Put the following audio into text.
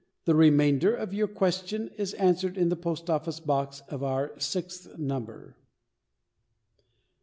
The remainder of your question is answered in the Post office Box of our sixth number.